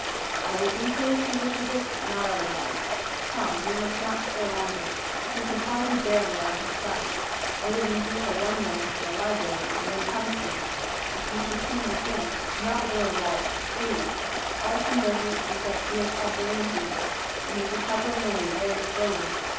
"I will do so, if he wishes it, not otherwise. Come; we must not stay longer. He can hardly bear me out of his sight. I will leave you for one moment in the library, and then come to you. If you should see my aunt, not a word of all this, please. All she knows is that he has had brain fever, and is recovering only very slowly.